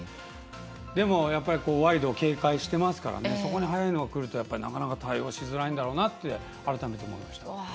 でもワイド警戒してますからそこに速いのが来るとなかなか対応しづらいんだろうなって改めて思いました。